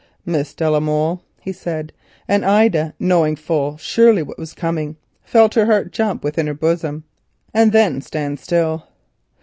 "Miss de la Molle," he said, and Ida, knowing full surely what was coming, felt her heart jump within her bosom and then stand still.